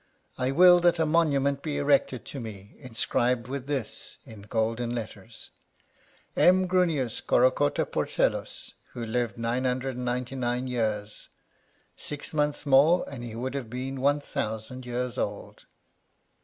I will that a monument be erected to me, inscribed with this, in golden letters : M. Grunnius Corocotta Porcellus, who lived 999 years, — six months more, and he would have been 1000 years old.